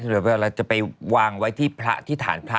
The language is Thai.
เราจะไปวางไว้ที่ฐานพระ